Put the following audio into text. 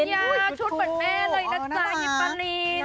ยาชุดเหมือนแม่เลยนะจ๊ะยิปปารีน